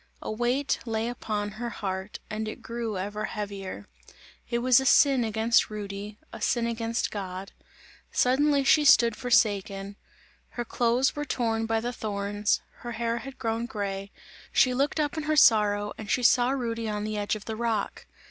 A weight lay upon her heart and it grew ever heavier. It was a sin against Rudy, a sin against God; suddenly she stood forsaken. Her clothes were torn by the thorns; her hair had grown grey; she looked up in her sorrow and she saw Rudy on the edge of the rock.